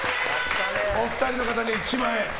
お二人の方に１万円。